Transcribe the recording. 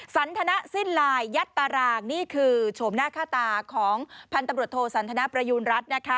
สันธนสิ้นลายยัตรารางนี่คือโฉมหน้าค่าตาของพันตบริโฑโทสันธนประยุณรัฐ